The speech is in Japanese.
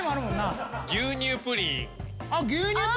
あっ牛乳プリン？